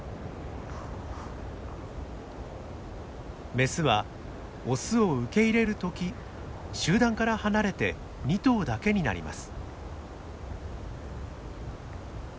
メスはオスを受け入れるとき集団から離れて２頭だけになります。